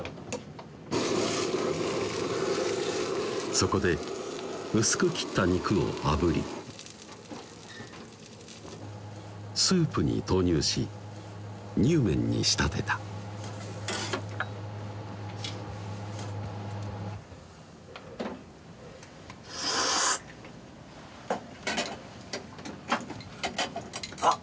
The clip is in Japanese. そこで薄く切った肉をあぶりスープに投入しにゅうめんに仕立てたあっ